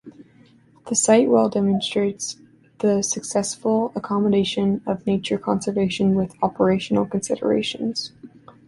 The site well demonstrates the successful accommodation of nature conservation with operational considerations.